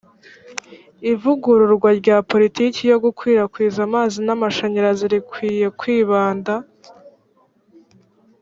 ivugururwa rya politiki yo gukwirakwiza amazi n amashanyarazi rikwiye kwibanda